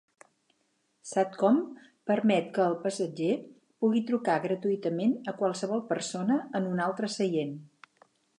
Satcom permet que el passatger pugui trucar gratuïtament a qualsevol persona en un altre seient.